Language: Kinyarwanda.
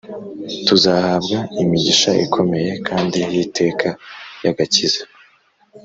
tuzahabwa imigisha ikomeye kandi y'iteka y'agakiza.